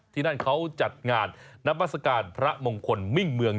ที่นั่นเขาจัดงานนามัศกาลพระมงคลมิ่งเมือง